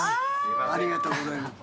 ありがとうございます。